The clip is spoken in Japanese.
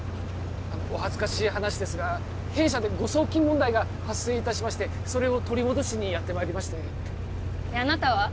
お恥ずかしい話ですが弊社で誤送金問題が発生いたしましてそれを取り戻しにやってまいりましてであなたは？